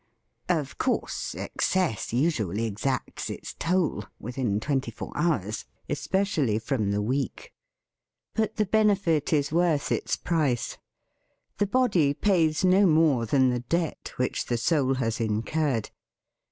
Of course, excess usually exacts its toll, within twenty THE FEAST OF ST FRIEND four hours, especially from the weak. But the benefit is worth its price. The body pays no more than the debt which the soul has incurred.